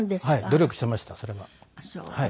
努力してましたそれは。